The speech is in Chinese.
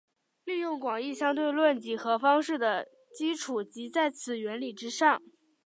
利用广义相对论几何方式的基础即在此原理之上。